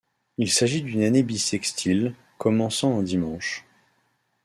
Il s'agit d'une année bissextile commençant un dimanche.